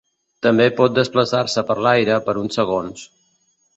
També pot desplaçar-se per l'aire per uns segons.